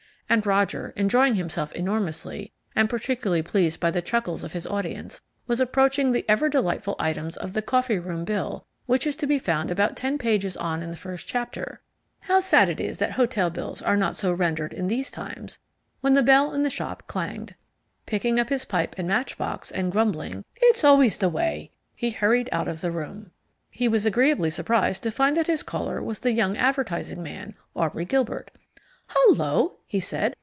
And Roger, enjoying himself enormously, and particularly pleased by the chuckles of his audience, was approaching the ever delightful items of the coffee room bill which is to be found about ten pages on in the first chapter how sad it is that hotel bills are not so rendered in these times when the bell in the shop clanged. Picking up his pipe and matchbox, and grumbling "It's always the way," he hurried out of the room. He was agreeably surprised to find that his caller was the young advertising man, Aubrey Gilbert. "Hullo!" he said.